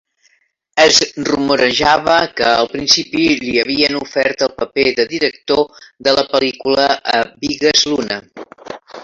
Es rumorejava que al principi li havien ofert el paper de director de la pel·lícula a Bigas Luna.